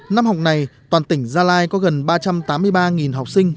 năm học này toàn tỉnh gia lai có gần ba trăm tám mươi ba học sinh